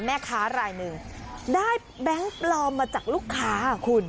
แม่ค้ารายหนึ่งได้แบงค์ปลอมมาจากลูกค้าคุณ